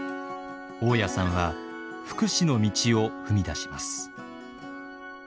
雄谷さんは福祉の道を踏み出します。